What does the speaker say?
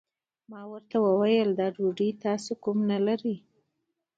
ما ورته وويل دا ډوډۍ تاسو کوم نه لرئ؟